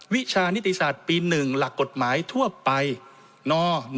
วิชานิติศาสตร์ปี๑หลักกฎหมายทั่วไปน๑๕